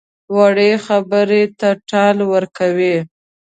وړې خبرې ته ټال ورکوي.